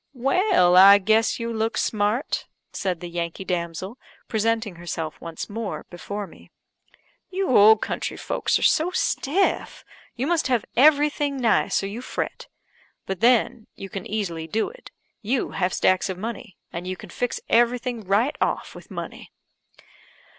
"Well, I guess you look smart," said the Yankee damsel, presenting herself once more before me. "You old country folks are so stiff, you must have every thing nice, or you fret. But, then, you can easily do it; you have stacks of money; and you can fix everything right off with money."